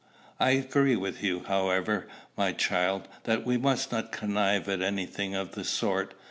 I agree with you, however, my child, that we must not connive at any thing of the sort.